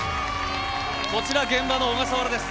こちら現場の小笠原です。